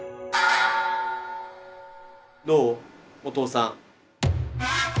お父さん。